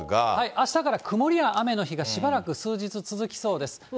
あしたから曇りや雨の日がしばらく、数日続きそうです。